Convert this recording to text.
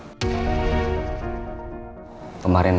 saya juga sempet denger tadi